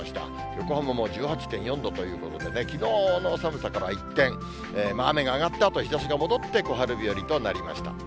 横浜も１８．４度ということでね、きのうの寒さからは一転、雨が上がったあと、日ざしが戻って小春日和となりました。